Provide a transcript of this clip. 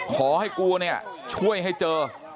ขอให้กูเนี่ยช่วยให้เจอ